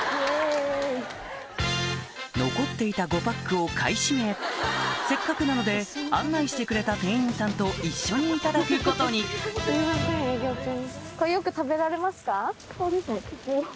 残っていた５パックを買い占めせっかくなので案内してくれた店員さんと一緒にいただくことにそうですね。